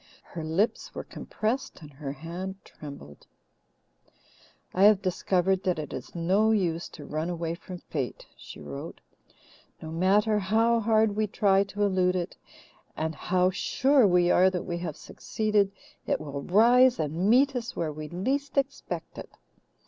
Her lips were compressed and her hand trembled: "I have discovered that it is no use to run away from fate," she wrote. "No matter how hard we try to elude it, and how sure we are that we have succeeded, it will rise and meet us where we least expect it.